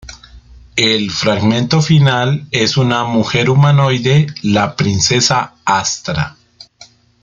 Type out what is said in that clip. El fragmento final es una mujer humanoide, la princesa Astra.